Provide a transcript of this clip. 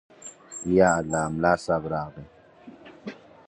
_يالله، ملا صيب راغی.